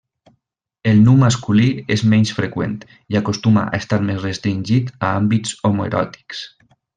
El nu masculí és menys freqüent, i acostuma a estar més restringit a àmbits homoeròtics.